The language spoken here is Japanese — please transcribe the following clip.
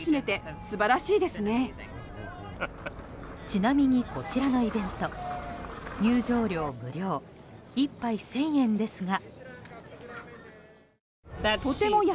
ちなみにこちらのイベント入場料無料１杯１０００円ですが。